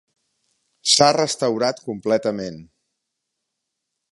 S'ha restaurat completament.